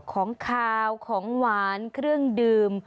ของขาวของหวานเครื่องดื่ม